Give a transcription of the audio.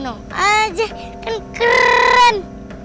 nampak aja kan keren